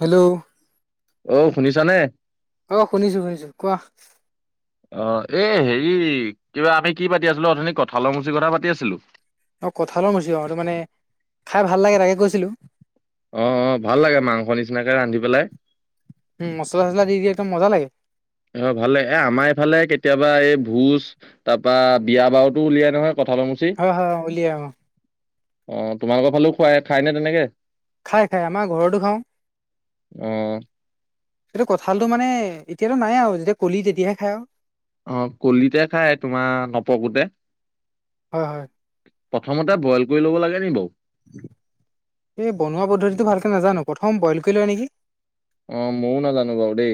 Hello অ শুনিছানে? অ শুনিছো শুনিছো কোৱা। অ'এই হেৰি কিবা আমি কি পাতি আছিলো অথনি কঁঠালৰ মুচি কথা পাতি আছিলো। অ' কঠালৰ মুছি আৰু মানে খাই ভাল লাগে তাকে কৈছিলোঁ। অ', অ', ভাল লাগে মাংস নিচিনাকে ৰান্ধি পেলাই। উম মছলা চচলা দি দি একদম মজা লাগে। অ' ভালে এই আমাৰ এইফালে কেতিয়াবা এই ভোজ তাৰ পৰা বিয়া বাৰুতো উলিয়াই নহয় কঁঠালৰ ম অ' হয় উলিয়াই অ'। অ' তোমালোকৰ ফালেও খুৱাই খাইনে তেনেকে? খাই খাই আমাৰ ঘৰতো খাও। অ এইটো কঁঠালটো মানে এতিয়াতো নাই আৰু যেতিয়া কলি তেতিয়াহে খাই আৰু। অ', কলিতে খাই তোমাৰ নপকোতে। হয় হয় প্ৰথমতে বইল কৰি ল'ব লাগে নি বাও? এই বনোৱা পদ্ধতিটো ভালকে নাজানো, প্ৰথম বইল কৰি লয় নেকি অ ময়ো নাজানো বাৰু দেই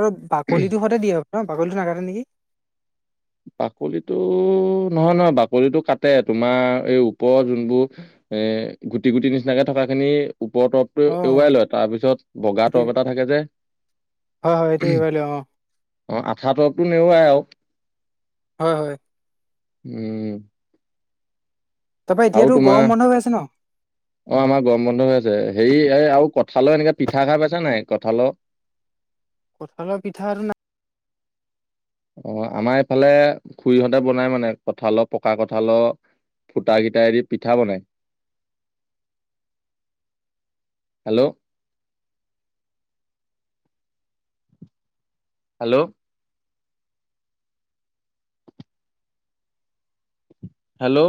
আৰু বাকলিটো সৈতে দিয়ে হপাই, বাকলিটো নাকাটে নেকি বাকলিটো, নহয় নহয় বাকলিটো কাটে। তোমাৰ এই ওপৰৰ যোনবোৰ এ, গুটি গুটি নিচিনাকে থকাখিনি ওপৰত অ এৰুৱাই লয় তাৰপিছত বগা সেইটোৱে তৰপ এটা থাকে যে হয় হয় এইটো এইবাৰ লৈ অ অ' আঠা তৰপটো নেৰুৱাই আৰু। হয় হয়। উম। তাৰপৰা আৰু এতিয়াতো তোমাৰ গৰম বন্ধ হৈ আছে ন অ' আমাৰ গৰম বন্ধ হৈ আছে। হেৰি এই আৰু ক কঁঠালৰ এনেকা পিঠা খাইছে নাই কঁঠালৰ? কঁঠালৰ পিঠাটো না অ' আমাৰ এইফালে খুৰীহঁতে বনাই মানে কঠালৰ, পকা কঠালৰ ফুটাকিটাইদি পিঠা বনাই। হেল্ল'। হেল্ল'। হেল্ল'।